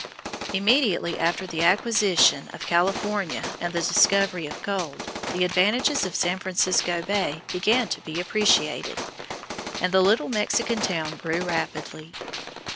Immediately after the acquisition of California and the discovery of gold, the advantages of San Francisco Bay began to be appreciated, and the little Mexican town grew rapidly.